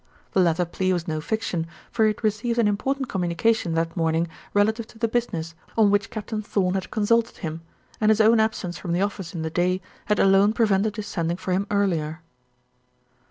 The latter plea was no fiction, for he had received an important communication that morning relative to the business on which Captain Thorn had consulted him, and his own absence from the office in the day had alone prevented his sending for him earlier.